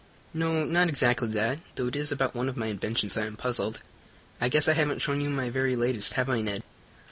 "No, not exactly that, though it is about one of my inventions I am puzzled. I guess I haven't shown you my very latest; have I, Ned?"